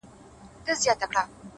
هره ورځ د نوي اغېز فرصت لري